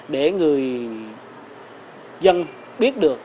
để người dân biết được